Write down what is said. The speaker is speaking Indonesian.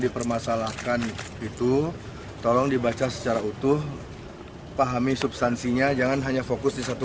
dipermasalahkan itu tolong dibaca secara utuh pahami substansinya jangan hanya fokus di satu